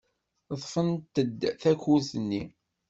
Ḍḍfent-d takurt-nni.